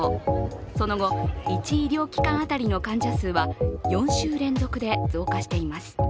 その後、１医療機関当たりの患者数は４週連続で増加しています。